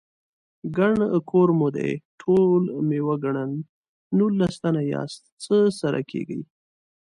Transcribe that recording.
_ګڼ کور مو دی، ټول مې وګڼل، نولس تنه ياست، څه سره کېږئ؟